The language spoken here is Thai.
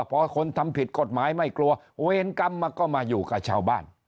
พอคนทำผิดกฎหมายไม่กลัวเวรกรรมมันก็มาอยู่กับชาวบ้าน